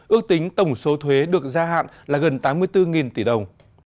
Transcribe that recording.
ước tính tổng số thuế được gia hạn là gần tám mươi bốn tỷ đồng